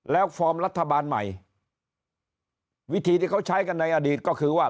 แล้วฟอร์มรัฐบาลใหม่วิธีที่เขาใช้กันในอดีตก็คือว่า